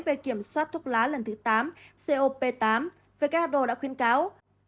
về kiểm soát thuốc lá lần thứ tám cop tám vkh đô đã khuyên cáo